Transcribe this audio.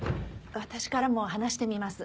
私からも話してみます。